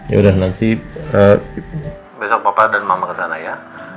yaudah nanti besok papa dan mama ke sana ya